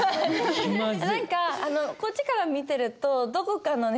何かこっちから見てるとどこかのね